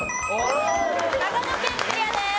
長野県クリアです。